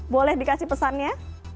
boleh dikasih pesannya